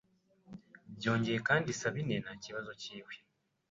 byongeye kandi Sabine nta kibazo kiwe